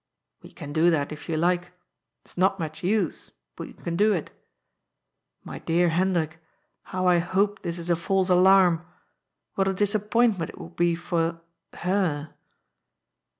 " We can do that, if you like. It's not much use, but we can do it. My dear Hendrik, how I hope this is a false alarm. What a disappointment it would be for — her."